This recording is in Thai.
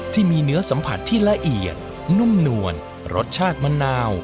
ที่มีเนื้อสัมผัสที่ละเอียดนุ่มนวลรสชาติมะนาว